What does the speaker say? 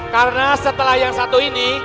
karena setelah yang satu ini